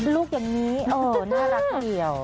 ลูกอย่างนี้น่ารักทีเดียว